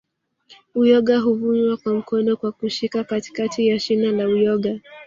Uyoga huvunwa kwa mkono kwa kushika katikati ya shina la uyoga